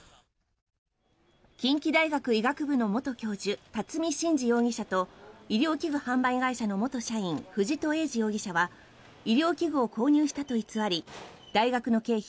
近畿大学医学部の元教授巽信二容疑者と医療器具販売会社の元社員藤戸栄司容疑者は医療器具を購入したと偽り大学の経費